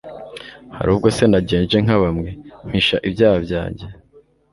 hari ubwo se nagenje nka bamwe, mpisha ibyaha byanjye